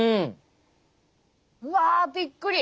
うわびっくり！